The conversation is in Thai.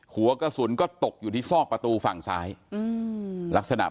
หัวกระสุนก็ตกอยู่ที่ศอกประตูฝั่งที่ซ้าย